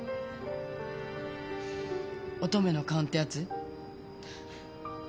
乙女の勘ってやつ？